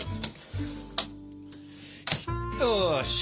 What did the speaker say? よし。